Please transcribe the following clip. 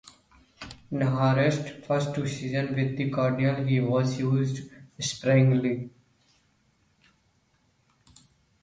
In Hearst's first two seasons with the Cardinals, he was used sparingly.